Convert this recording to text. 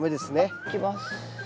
いきます。